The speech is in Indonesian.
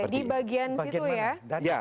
di bagian situ ya